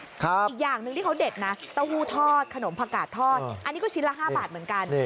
อีกอย่างหนึ่งที่เขาเด็ดนะเต้าหู้ทอดขนมผักกาดทอดอันนี้ก็ชิ้นละ๕บาทเหมือนกัน